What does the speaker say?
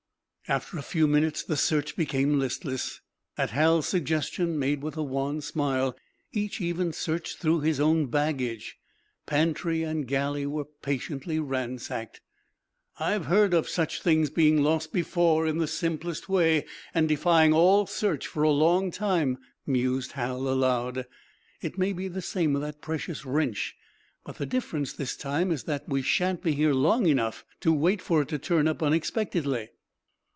After a few minutes the search became listless. At Hal's suggestion, made with a wan smile, each even searched through his own baggage. Pantry and galley were patiently ransacked. "I've heard of such things being lost before, in the simplest way, and defying all search for a long time," mused Hal, aloud. "It may be the same with that precious wrench. But the difference, this time, is that we shan't be here long to wait for it to turn up unexpectedly."